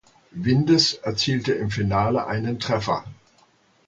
Windes erzielte im Finale einen Treffer.